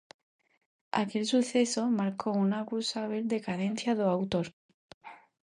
Aquel suceso marcou unha acusábel decadencia do autor.